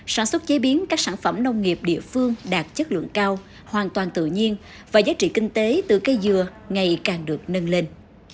sản xuất chế biến các sản phẩm nông nghiệp địa phương đạt chất lượng cao hoàn toàn tự nhiên và giá trị kinh tế từ cây dừa ngày càng được nâng lên